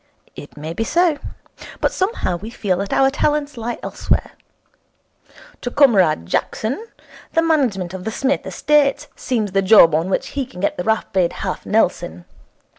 It may be so. But somehow we feel that our talents lie elsewhere. To Comrade Jackson the management of the Psmith estates seems the job on which he can get the rapid half Nelson.